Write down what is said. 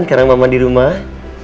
sekarang mama di rumah